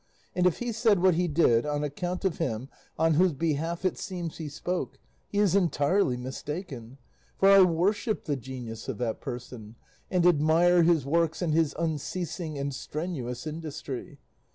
And if he said what he did on account of him on whose behalf it seems he spoke, he is entirely mistaken; for I worship the genius of that person, and admire his works and his unceasing and strenuous industry.